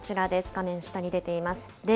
画面下に出ています。